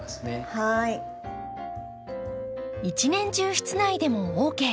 一年中室内でもＯＫ。